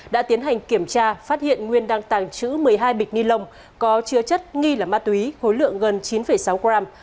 đã tiến hành kiểm tra phát hiện nguyên đang tàng trữ một mươi hai bịch ni lông có chứa chất nghi là ma túy khối lượng gần chín sáu gram